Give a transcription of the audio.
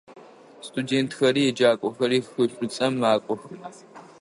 Студентхэри еджакӏохэри хы Шӏуцӏэм макӏох.